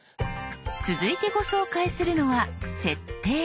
続いてご紹介するのは「設定」。